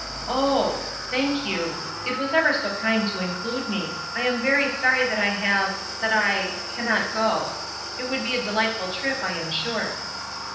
''Oh — thank you. It was ever so kind to include me. I am very sorry that I have — that I — cannot go. It would be a dehghtful trip, I am sure."